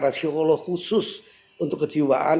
rasio kolo khusus untuk kejiwaan